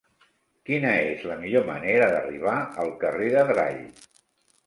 Quina és la millor manera d'arribar al carrer d'Adrall?